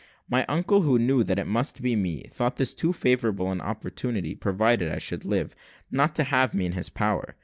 My uncle, who knew that it must be me, thought this too favourable an opportunity, provided I should live, not to have me in his power.